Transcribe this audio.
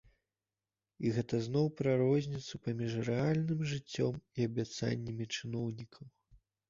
І гэта зноў пра розніцу паміж рэальным жыццём і абяцаннямі чыноўнікаў.